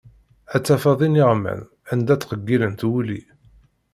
Ad tafeḍ iniɣman, anda ttqeggilent wulli.